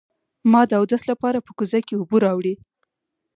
ما د اودس لپاره په کوزه کې اوبه راوړې.